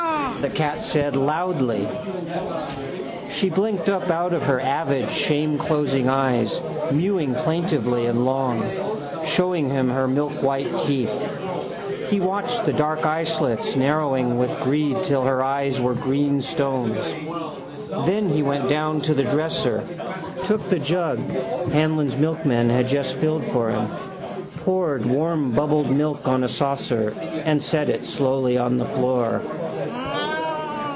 the cat said loudly. She blinked up out of her avid shameclosing eyes, mewing plaintively and long, showing him her milkwhite teeth. He watched the dark eyeslits narrowing with greed till her eyes were green stones. Then he went to the dresser, took the jug Hanlon's milkman had just filled for him, poured warmbubbled milk on a saucer and set it slowly on the floor. —Gurrhr!